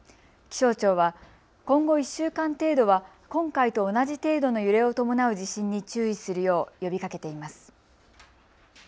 気象庁は今後１週間程度は今回と同じ程度の揺れを伴う地震に注意するよう呼びかけています。